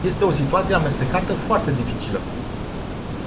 Este o situație amestecată foarte dificilă.